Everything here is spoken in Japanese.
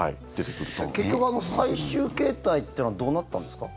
結局最終形態というのはどうなったんですか？